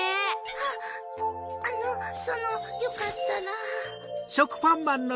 ハッあのそのよかったら。